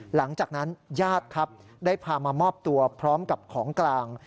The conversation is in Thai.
หลังจากนั้นญาติครับได้พามามอบตัวพร้อมกับของกลาง